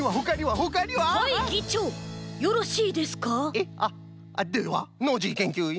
えっあっではノージーけんきゅういん。